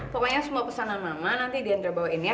pokoknya semua pesanan mama nanti dian terbawain ya